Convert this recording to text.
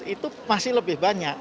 itu masih lebih banyak